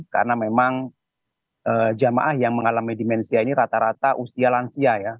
jadi jemaah yang mengalami demensia ini rata rata usia lansia ya